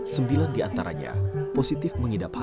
sembilan di antaranya positif mengidap hiv